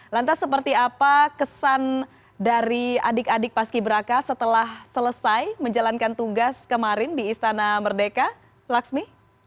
lantas seperti apa kesan dari adik adik paski beraka setelah selesai menjalankan tugas kemarin di istana merdeka laksmi